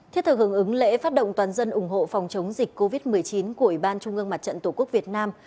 thiết thực hưởng ứng lễ phát động toàn dân ủng hộ phòng chống dịch covid một mươi chín của ủy ban trung ương mặt trận tổ quốc việt nam